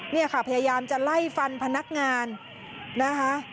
เนี่ยค่ะพยายามจะไล่ฟันพนักงานนะคะ